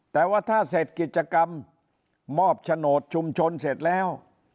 แต่ว่าถ้าเสร็จกิจกรรมมอบโฉนดชุมชนเสร็จแล้ว